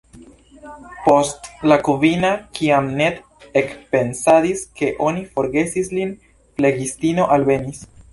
Post la kvina, kiam Ned ekpensadis ke oni forgesis lin, flegistino alvenis.